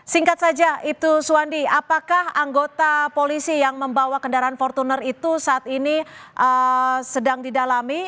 singkat saja ibtu suwandi apakah anggota polisi yang membawa kendaraan fortuner itu saat ini sedang didalami